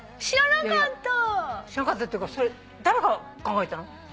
知らなかったっていうかそれ誰が考えたの？